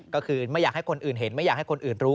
ก็คือไม่อยากให้คนอื่นเห็นไม่อยากให้คนอื่นรู้